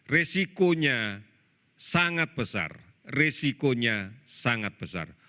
resikonya sangat besar risikonya sangat besar